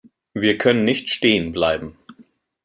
Wir können nicht stehen bleiben.